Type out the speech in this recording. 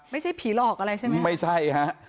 ไม่ใช่ผีหลอกอะไรใช่ไหมนี่ไม่ใช่ฮะ